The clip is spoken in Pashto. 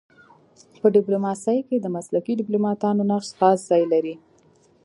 په ډيپلوماسی کي د مسلکي ډيپلوماتانو نقش خاص ځای لري.